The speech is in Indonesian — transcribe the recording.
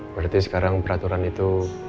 berarti sekarang peraturan itu